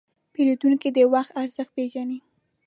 پیرودونکی د وخت ارزښت پېژني.